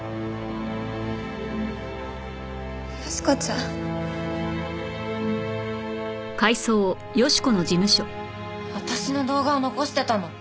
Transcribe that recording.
良子ちゃん？私の動画を残してたの？